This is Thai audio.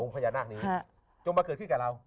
องค์พญานนักนี้จงมาเกิดขึ้นกับเรา